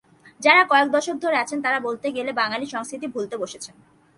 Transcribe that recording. যাঁরা কয়েক দশক ধরে আছেন, তাঁরা বলতে গেলে বাঙালি সংস্কৃতি ভুলতে বসেছেন।